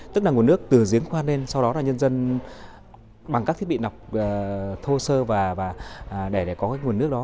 tức là nguồn nước từ giếng khoan lên sau đó là nhân dân bằng các thiết bị nọc thô sơ và để có cái nguồn nước đó